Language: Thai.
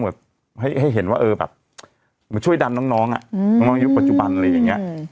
แบบให้เห็นว่าเออแบบมาช่วยดันน้องน้องยุคปัจจุบันอะไรอย่างนี้